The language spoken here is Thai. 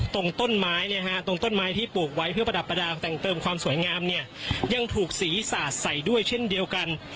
ตรงต้นไม้เนี่ยฮะตรงต้นไม้ที่ปลูกไว้เพื่อประดับประดาษแต่งเติมความสวยงามเนี่ยยังถูกสีสาดใส่ด้วยเช่นเดียวกัน